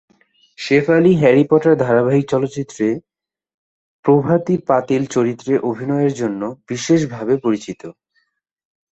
Shefali "Harry Potter" ধারাবাহিক চলচ্চিত্রে "প্রভাতী পাতিল" চরিত্রে অভিনয়ের জন্য বিশেষভাবে পরিচিত।